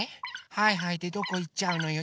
はいはいでどこいっちゃうのよ。